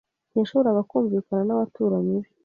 Ntiyashoboraga kumvikana n'abaturanyi be.